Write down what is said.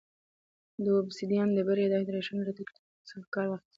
د اوبسیدیان ډبرې د هایدرېشن له تکتیک څخه کار واخیست.